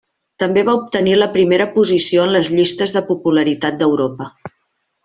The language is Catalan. També va obtenir la primera posició en les llistes de popularitat d'Europa.